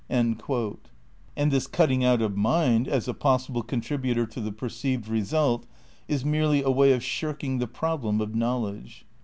* And this cutting out of mind as a possible contributor to the perceived result is merely a way of shirking the problem of knowledge.